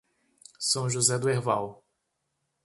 São José do Herval